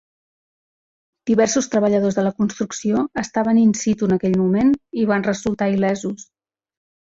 Diversos treballadors de la construcció estaven in situ en aquell moment i van resultar il·lesos.